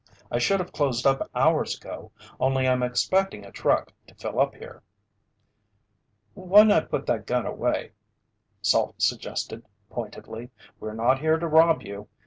I should have closed up hours ago, only I'm expecting a truck to fill up here." "Why not put that gun away?" Salt suggested pointedly. "We're not here to rob you.